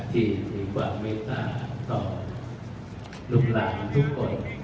ที่ถือความเมตตาต่อลูกหลานทุกคน